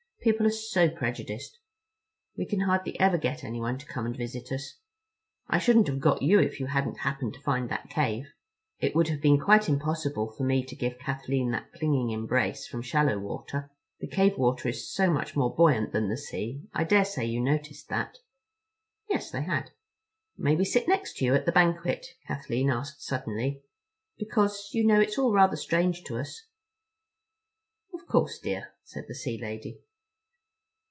People are so prejudiced. We can hardly ever get anyone to come and visit us. I shouldn't have got you if you hadn't happened to find that cave. It would have been quite impossible for me to give Kathleen that clinging embrace from shallow water. The cave water is so much more buoyant than the sea. I daresay you noticed that." Yes—they had. "May we sit next you at the banquet?" Kathleen asked suddenly, "because, you know, it's all rather strange to us." "Of course, dear," said the sea lady.